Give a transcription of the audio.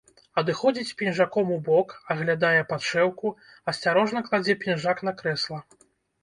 Адыходзіць з пінжаком убок, аглядае падшэўку, асцярожна кладзе пінжак на крэсла.